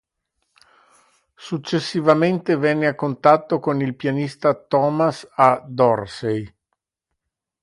Successivamente venne a contatto con il pianista Thomas A. Dorsey.